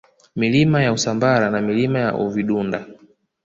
Milima ya Usambara na Milima ya Uvidunda